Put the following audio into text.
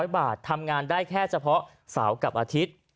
๐บาททำงานได้แค่เฉพาะเสาร์กับอาทิตย์